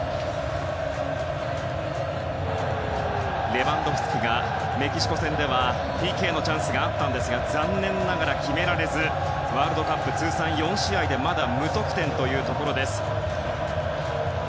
レバンドフスキがメキシコ戦ではＰＫのチャンスがありましたが残念ながら決められずワールドカップ通算４試合でまだ無得点というところです。